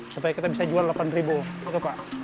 supaya kita bisa jual delapan ribu itu pak